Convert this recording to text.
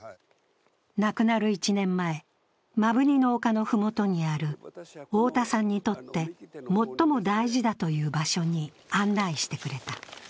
亡くなる１年前、摩文仁の丘の麓にある太田さんにとって、最も大事だという場所に案内してくれた。